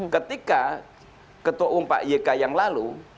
ketika ketua uu pak iek yang lalu